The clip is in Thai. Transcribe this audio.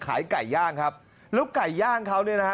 ขายไก่ย่างครับแล้วไก่ย่างเขาเนี่ยนะฮะ